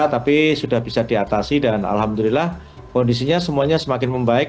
tapi sudah bisa diatasi dan alhamdulillah kondisinya semuanya semakin membaik